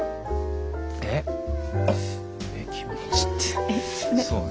えっ気持ちって。